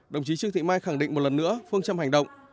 đồng chí trương thị mai khẳng định một lần nữa phương châm hành động